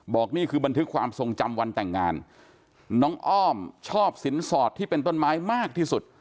นี่คือบันทึกความทรงจำวันแต่งงานน้องอ้อมชอบสินสอดที่เป็นต้นไม้มากที่สุด